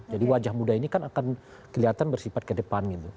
jadi wajah muda ini kan akan kelihatan bersifat ke depan gitu